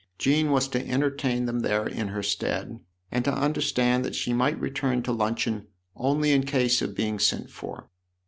Jean was to entertain them there in her stead and to understand that she might return to luncheon only in case of being sent for.